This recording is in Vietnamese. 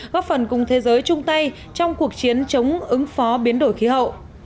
góp phần cùng thế giới chung tay trong cuộc chiến chống ứng phó biến đổi khí hậu